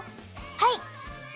はい！